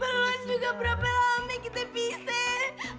berlan juga berapa lama kita berpisah